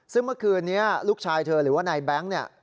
ซึ่งเมื่อคืนนี้ลูกชายเธอหรือว่านายแบงค์เนี่ย